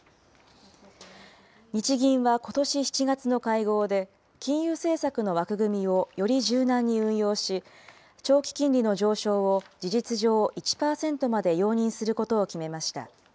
日銀はことし７月の会合で、金融政策の枠組みをより柔軟に運用し、長期金利の上昇を事実上、１％まで容認することを決めました。